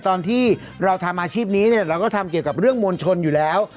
ตอนที่เราทำอาชีพนี้เนี่ยเราก็ทำเกี่ยวกับเรื่องมวลชนอยู่แล้ว